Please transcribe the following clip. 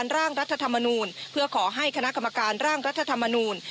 ร่างรัฐธรรมนูลเพื่อขอให้คณะกรรมการร่างรัฐธรรมนูล